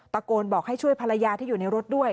ตะโกนบอกให้ช่วยภรรยาที่อยู่ในรถด้วย